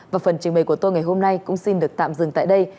và phần trình bày của tôi ngày hôm nay cũng xin được tạm dừng tại đây